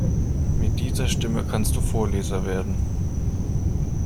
Mit dieser Stimme kannst du Vorleser werden.